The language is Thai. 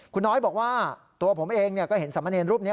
คุณน้อยบอกว่าตัวผมเองก็เห็นสามเณรรูปนี้